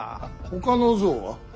ほかの像は。